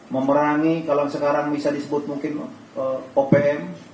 memerangi kalau sekarang bisa disebut mungkin opm